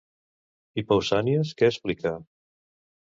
I Pausànies, què explica?